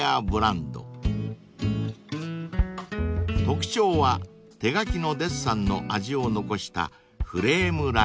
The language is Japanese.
［特徴は手描きのデッサンの味を残したフレームライン］